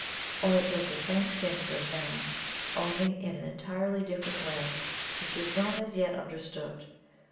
Or it does the same things as man, only in an entirely different way which is not as yet understood.